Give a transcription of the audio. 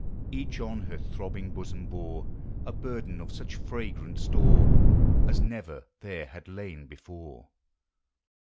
Each on her throbbing bosom bore A burden of such fragrant store As never there had lain before.